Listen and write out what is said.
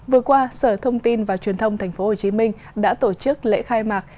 vừa qua sở thông tin và truyền thông tp hcm đã tổ chức lễ khai mạc